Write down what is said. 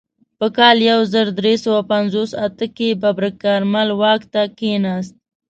په کال یو زر درې سوه پنځوس اته کې ببرک کارمل واک ته کښېناست.